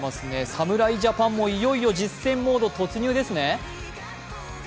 侍ジャパンもいよいよ実戦モード突入ですね。